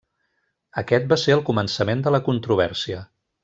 Aquest va ser el començament de la controvèrsia.